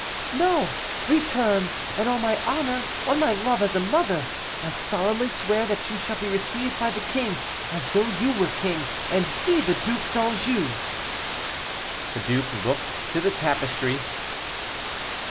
"No; return, and on my honor, on my love as a mother, I solemnly swear that you shall be received by the king as though you were king and he the Duc d'Anjou." The duke looked to the tapestry.